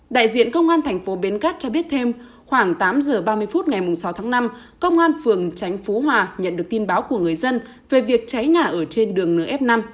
đại diện công an thành phố bến cát cho biết thêm khoảng tám giờ ba mươi phút ngày sáu tháng năm công an phường tránh phú hòa nhận được tin báo của người dân về việc cháy nhà ở trên đường nf năm